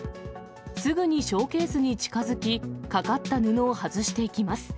すぐにショーケースに近づき、かかった布を外していきます。